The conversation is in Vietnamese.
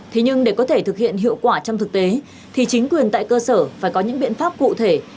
thế nhưng để có thể thực hiện hiệu quả trong thực tế thì chính quyền tại cơ sở phải có những biện pháp cụ thể